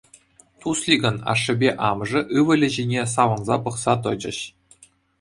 Тусликӑн ашшӗпе амӑшӗ ывӑлӗ ҫине савӑнса пӑхса тӑчӗҫ.